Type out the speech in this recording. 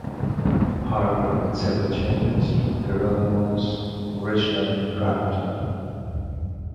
Parker made several changes from Gerolmo's original draft.